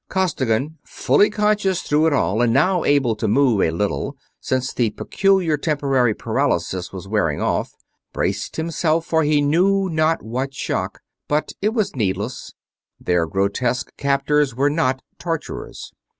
Costigan fully conscious through it all and now able to move a little, since the peculiar temporary paralysis was wearing off braced himself for he knew not what shock, but it was needless; their grotesque captors were not torturers.